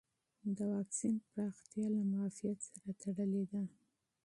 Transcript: د واکسین پراختیا له معافیت سره تړلې ده.